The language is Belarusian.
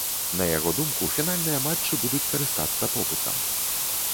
На яго думку, фінальныя матчы будуць карыстацца попытам.